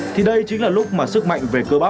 thì đây chính là lúc mà sức mạnh về cơ bác